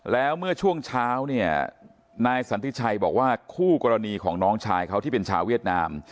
แล้วเมื่อช่วงเช้าเนี่ยนายสันติชัยบอกว่าคู่กรณีของน้องชายเขาที่เป็นชาวเวียดนาม